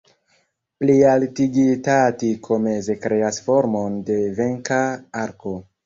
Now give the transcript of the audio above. Plialtigita atiko meze kreas formon de venka arko.